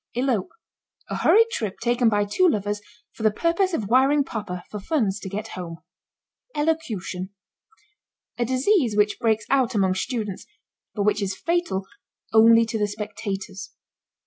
ELOPE. A hurried trip taken by two lovers for the purpose of wiring Papa for funds to get home. ELOCUTION. A disease which breaks out among students, but which is fatal only to the spectators.